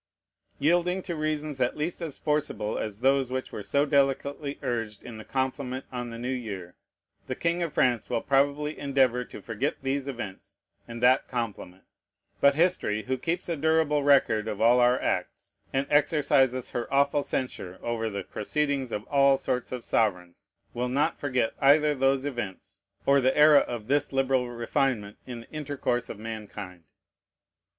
Yielding to reasons at least as forcible as those which were so delicately urged in the compliment on the new year, the king of France will probably endeavor to forget these events and that compliment. But History, who keeps a durable record of all our acts, and exercises her awful censure over the proceedings of all sorts of sovereigns, will not forget either those events, or the era of this liberal refinement in the intercourse of mankind.